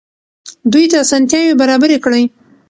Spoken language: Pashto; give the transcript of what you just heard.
دوی ته اسانتیاوې برابرې کړئ.